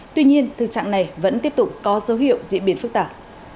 tuy nhiên thực trạng này vẫn tiếp tục có dấu hiệu diễn biến phức tạp